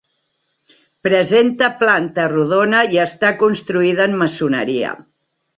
Presenta planta rodona i està construïda en maçoneria.